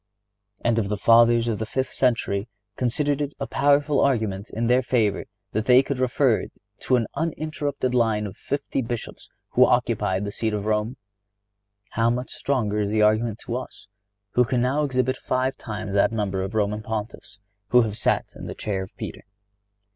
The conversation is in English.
(99) And if the Fathers of the fifth century considered it a powerful argument in their favor that they could refer to an uninterrupted line of fifty Bishops who occupied the See of Rome, how much stronger is the argument to us who can now exhibit five times that number of Roman Pontiffs who have sat in the chair of Peter!